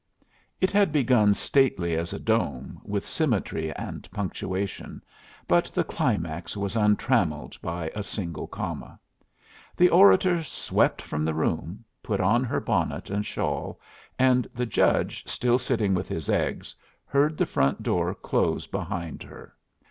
It had begun stately as a dome, with symmetry and punctuation, but the climax was untrammelled by a single comma. The orator swept from the room, put on her bonnet and shawl, and the judge, still sitting with his eggs, heard the front door close behind her.